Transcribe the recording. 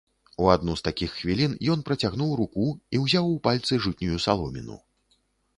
У адну з такіх хвілін ён працягнуў руку і ўзяў у пальцы жытнюю саломіну.